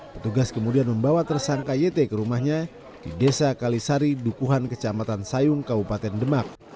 petugas kemudian membawa tersangka yt ke rumahnya di desa kalisari dukuhan kecamatan sayung kabupaten demak